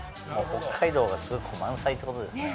北海道がすごく満載ってことですね。